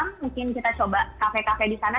mungkin kita coba kafe kafe di sana